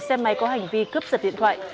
xe máy có hành vi cướp giật điện thoại